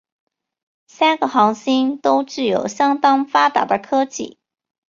三个行星都具有相当发达的科技。